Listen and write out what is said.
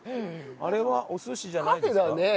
あれはお寿司じゃない。